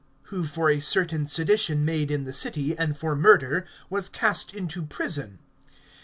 (19)(who for a certain sedition made in the city, and for murder, was cast into prison.)